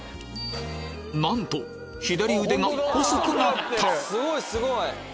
なんと左腕が細くなった！